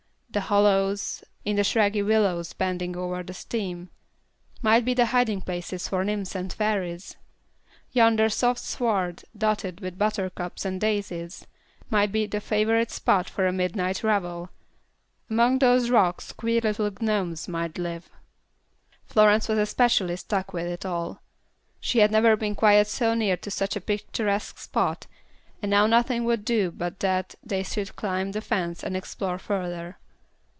The hollows, in the scraggy willows bending over the stream, might be the hiding places of nymphs or fairies; yonder soft sward dotted with buttercups and daisies, might be the favorite spot for a midnight revel; among those rocks queer little gnomes might live. Florence was especially struck with it all. She had never been quite so near to such a picturesque spot, and now nothing would do but that they should climb the fence and explore further.